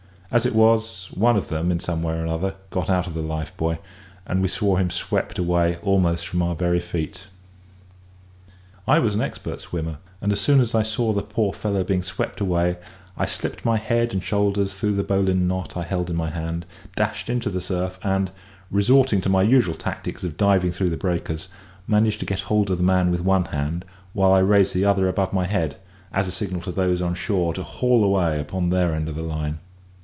As it was, one of them, in some way or other, got out of the life buoy, and we saw him swept away almost from our very feet. I was an expert swimmer; and as soon as I saw the poor fellow being swept away, I slipped my head and shoulders through the bowline knot I held in my hand, dashed into the surf, and, resorting to my usual tactics of diving through the breakers, managed to get hold of the man with one hand, while I raised the other above my head, as a signal to those on shore to haul away upon their end of the line.